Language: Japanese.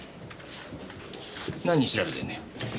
何調べてんだよ？